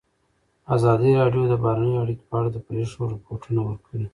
ازادي راډیو د بهرنۍ اړیکې په اړه د پېښو رپوټونه ورکړي.